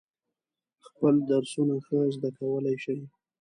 خپل درسونه ښه زده کولای شي.